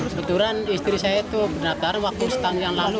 kebetulan istri saya itu benar waktu setahun yang lalu